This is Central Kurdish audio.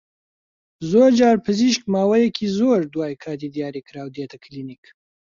زۆرجار پزیشک ماوەیەکی زۆر دوای کاتی دیاریکراو دێتە کلینیک